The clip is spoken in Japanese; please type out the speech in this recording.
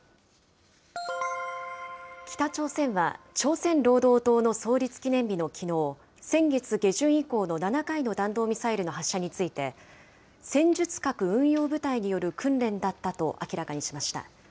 北朝鮮は、朝鮮労働党の創立記念日のきのう、先月下旬以降の７回の弾道ミサイルの発射について、戦術核運用部隊による訓練だったと明らかにしました。